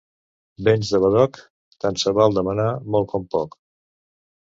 Béns de badoc, tant se val demanar molt com poc.